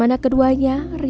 menjaga kekuatan keluarga